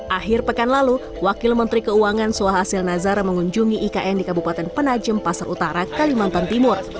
akhir pekan lalu wakil menteri keuangan suhasil nazara mengunjungi ikn di kabupaten penajem pasar utara kalimantan timur